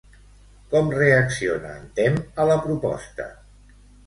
Com reacciona en Temme a la proposta?